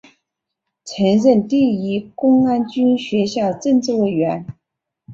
曾任第一公安军学校政治委员。